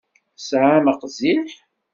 Tesɛam aqziḥ?